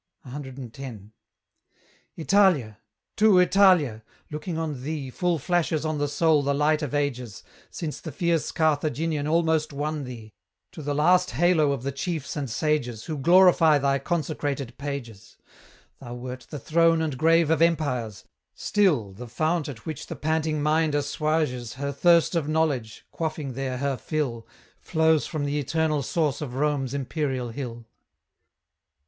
CX. Italia! too, Italia! looking on thee Full flashes on the soul the light of ages, Since the fierce Carthaginian almost won thee, To the last halo of the chiefs and sages Who glorify thy consecrated pages; Thou wert the throne and grave of empires; still, The fount at which the panting mind assuages Her thirst of knowledge, quaffing there her fill, Flows from the eternal source of Rome's imperial hill.